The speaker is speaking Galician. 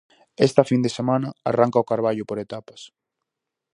Esta fin de semana arranca o Carballo por etapas.